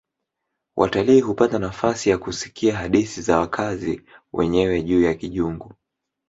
Watalii hupata nafasi ya kusikia hadithi za wakazi wenyewe juu ya kijungu